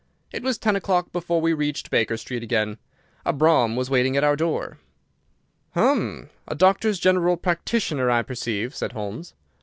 It was ten o'clock before we reached Baker Street again. A brougham was waiting at our door. "Hum! A doctor's—general practitioner, I perceive," said Holmes.